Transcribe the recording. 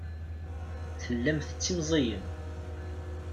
Tellam tettimẓiyem.